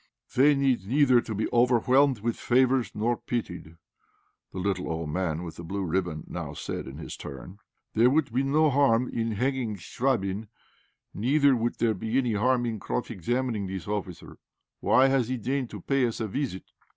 "They need neither be overwhelmed with favours nor be pitied," the little old man with the blue ribbon now said, in his turn. "There would be no harm in hanging Chvabrine, neither would there be any harm in cross examining this officer. Why has he deigned to pay us a visit?